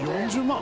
Ｂ４０万？